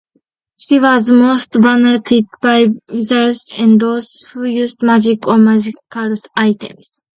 She was most venerated by wizards and those who used magic or magical items.